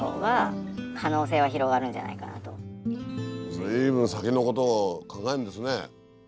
随分先のことを考えるんですね。